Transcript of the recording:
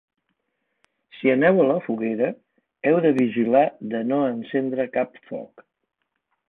Si aneu a la foguera, heu de vigilar de no encendre cap foc.